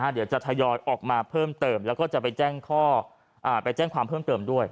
เดี๋ยวจะทยอยออกมาเพิ่มเติมแล้วก็จะไปแจ้งข้อไปแจ้งความเพิ่มเติมด้วย